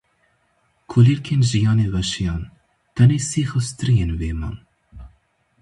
Kulîlkên jiyanê weşiyan, tenê sîx û striyên wê man.